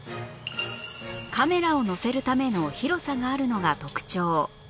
カメラを載せるための広さがあるのが特徴